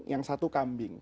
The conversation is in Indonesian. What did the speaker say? yang satu kambing